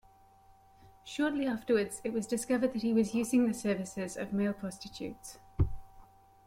Shortly afterwards it was discovered that he was using the services of male prostitutes.